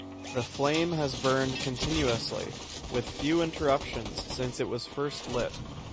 The flame has burned continuously with few interruptions since it was first lit.